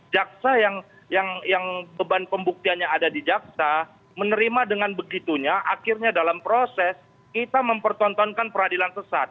jaksa yang beban pembuktiannya ada di jaksa menerima dengan begitunya akhirnya dalam proses kita mempertontonkan peradilan sesat